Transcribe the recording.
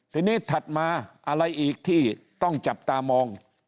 ทีนี้ถัดมาอะไรอีกที่ต้องจับตามอง